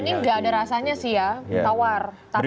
ini nggak ada rasanya sih ya tawar